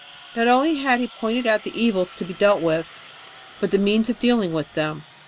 Not only had he pointed out the evils to be dealt with, but the means of dealing with them.